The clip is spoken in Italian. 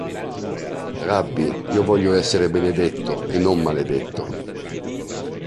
Rabbi, io voglio essere benedetto e non maledetto!".